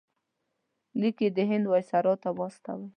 لیک یې د هند وایسرا ته واستاوه.